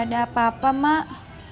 ada apa apa mak